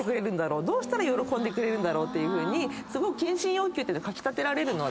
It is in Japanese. どうしたら喜んでくれるんだろうっていうふうに献身欲求がかき立てられるので。